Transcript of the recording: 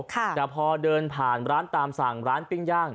แต่พอเดินผ่านร้านตามสั่งร้านปิ้งย่าง